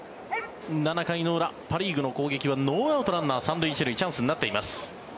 ７回の裏パ・リーグの攻撃はノーアウト、ランナー３塁１塁チャンスになっています。